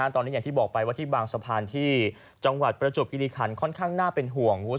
ตอนนี้อย่างที่บอกไปว่าที่บางสะพานที่จังหวัดประจวบคิริคันค่อนข้างน่าเป็นห่วง